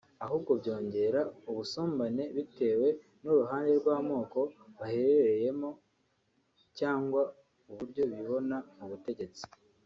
ahubwo byongera ubusumbane bitewe n’uruhande rw’amoko baherereyemo cyangwa uburyo bibona mubutegetsi